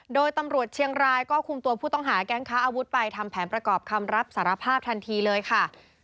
โดยตำรวจเชียงรายก็คุมตัวผู้ต้องหาแก๊งค้าอาวุธไปทำแผนประกอบคำรับสารภาพทันทีเลยค่ะ